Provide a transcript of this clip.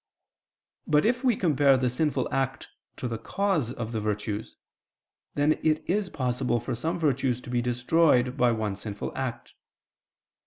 But if we compare the sinful act to the cause of the virtues, then it is possible for some virtues to be destroyed by one sinful act.